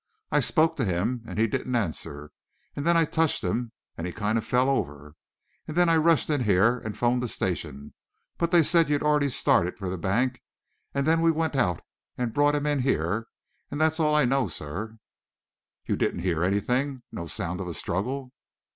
I spoke to him and he didn't answer and then I touched him and he kind of fell over and then I rushed in here and 'phoned the station; but they said you'd already started for the bank; and then we went out and brought him in here and that's all I know, sir." "You didn't hear anything no sound of a struggle?"